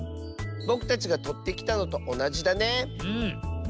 ぼくたちがとってきたのとおなじだね。